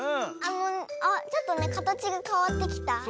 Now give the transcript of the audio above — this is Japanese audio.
あっちょっとねかたちがかわってきた。